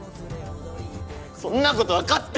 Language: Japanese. そんなこと分かって。